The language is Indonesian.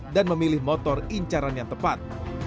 dan memilih motor incaran yang tepat